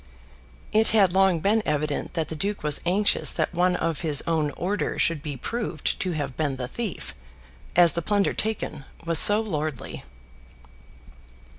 It had long been evident that the duke was anxious that one of his own order should be proved to have been the thief, as the plunder taken was so lordly.